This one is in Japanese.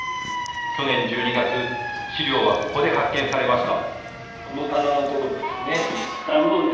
去年１２月、資料はここで発見されました。